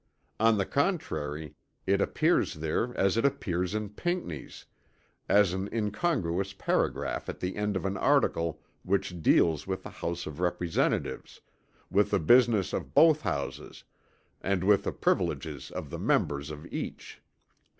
On the contrary it appears there as it appears in Pinckney's, as an incongruous paragraph at the end of an article which deals with the House of Representatives, with the business of both Houses and with the privileges of the members of each.